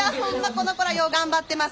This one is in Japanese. この子らよう頑張ってますわ。